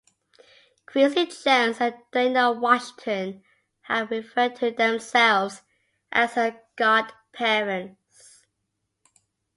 Quincy Jones and Dinah Washington have referred to themselves as her godparents.